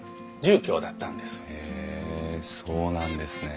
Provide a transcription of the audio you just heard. へえそうなんですね。